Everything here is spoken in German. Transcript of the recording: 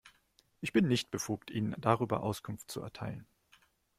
Ich bin nicht befugt, Ihnen darüber Auskunft zu erteilen.